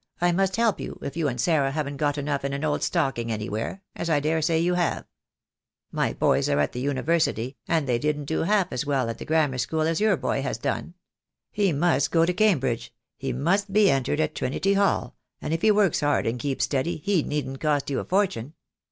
I must help you, if you and Sarah haven't got enough in an old stocking any where— as I dare say you have. My boys are at the THE DAY WILL COME. 2 1 University, and they didn't do half as well at the gram mar school as your boy has done. He must go to Cam bridge, he must be entered at Trinity Hall, and if he works hard and keeps steady he needn't cost you a for tune.